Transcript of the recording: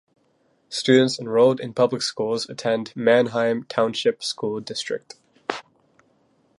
Students enrolled in public schools attend Manheim Township School District.